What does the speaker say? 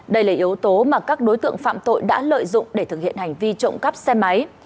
đây là yếu tố mà các đối tượng phạm tội đã lợi dụng để thực hiện hành vi trộm cắp xe máy